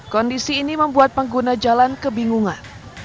kondisi ini membuat pengguna jalan kebingungan